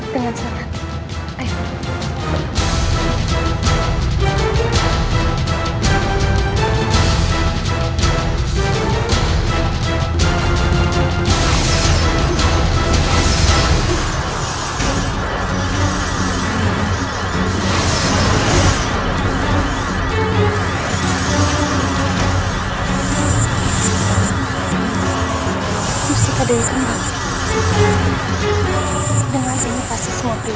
dengan senang hati